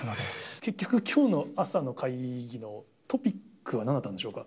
結局、きょうの朝の会議のトピックはなんだったんでしょうか？